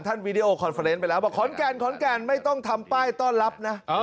วีดีโอคอนเฟอร์เนสไปแล้วบอกขอนแก่นขอนแก่นไม่ต้องทำป้ายต้อนรับนะ